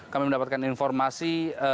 kami mendapatkan informasi